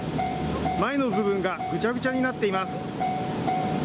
前の部分がぐちゃぐちゃになっています。